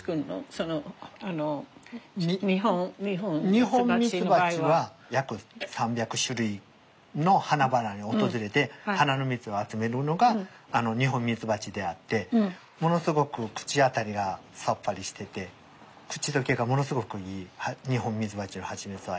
ニホンミツバチは約３００種類の花々に訪れて花の蜜を集めるのがニホンミツバチであってものすごく口当たりがサッパリしてて口溶けがものすごくいいニホンミツバチのハチミツは。